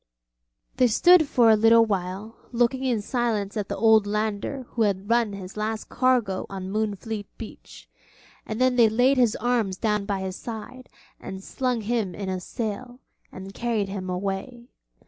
They stood for a little while looking in silence at the old lander who had run his last cargo on Moonfleet beach, and then they laid his arms down by his side, and slung him in a sail, and carried him away.